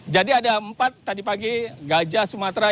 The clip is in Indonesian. jadi ada empat tadi pagi gajah sumatera